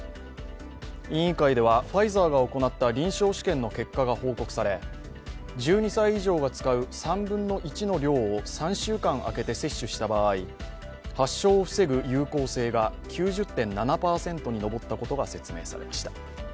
委員会ではファイザーが行った臨床試験の結果が報告され、１２歳以上が使う３分の１の量を３週間空けて接種した場合発症を防ぐ有効性が９０．７％に上ったことが説明されました。